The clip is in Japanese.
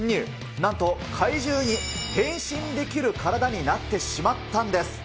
なんと怪獣に変身できる体になってしまったんです。